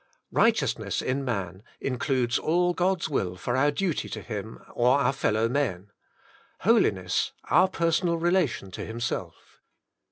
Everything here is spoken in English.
Right eousness in man includes all God's will for our duty to Him or our fellowmen: holiness our per sonal relation to Himself.